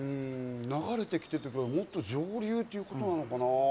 流れてきてってことは、もっと上流ってことなのかな？